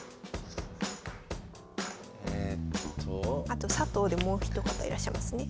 あと佐藤でもう一方いらっしゃいますね。